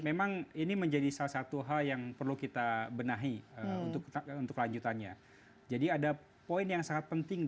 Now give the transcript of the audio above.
memang ini menjadi salah satu hal yang perlu kita benahi untuk kelanjutannya